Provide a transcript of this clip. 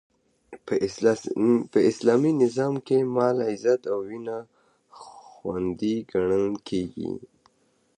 په اسلامي نظام کښي مال، عزت او وینه خوندي ګڼل کیږي.